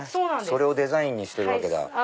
それをデザインにしてるわけだ。